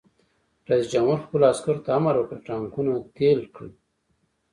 رئیس جمهور خپلو عسکرو ته امر وکړ؛ ټانکونه تېل کړئ!